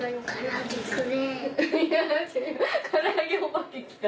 アハハ唐揚げお化け来た。